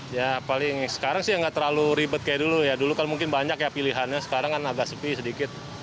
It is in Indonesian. ya paling sekarang sih nggak terlalu ribet kayak dulu ya dulu kan mungkin banyak ya pilihannya sekarang kan agak sepi sedikit